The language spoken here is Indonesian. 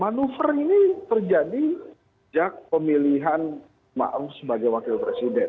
manuver ini terjadi sejak pemilihan ma'ruf sebagai wakil presiden